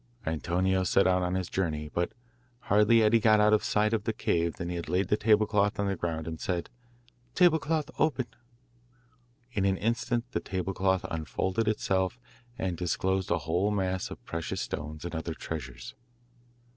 Antonio set out on his journey, but hardly had he got out of sight of the cave than he laid the table cloth on the ground and said, 'Table cloth, open.' In an instant the table cloth unfolded itself and disclosed a whole mass of precious stones and other treasures.